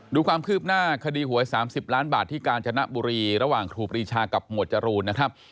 ดูความคืบหน้าคดีหวย๓๐ล้านบาทที่กาญจนบุรีระหว่างครูปรีชากับหมวดจรูนนะครับ